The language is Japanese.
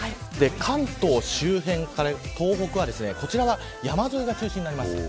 関東周辺から東北は山沿いが中心になります。